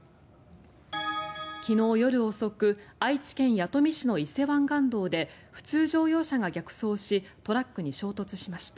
昨日夜遅く愛知県弥富市の伊勢湾岸道で普通乗用車が逆走しトラックに衝突しました。